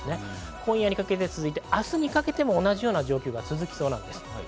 今夜にかけて続いて明日にかけても同じような状況が続きそうです。